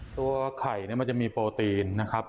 ตัวไข่เนี่ยมันจะมีโปรตีนนะครับ